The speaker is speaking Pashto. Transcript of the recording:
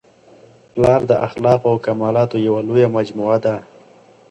پلار د اخلاقو او کمالاتو یوه لویه مجموعه ده.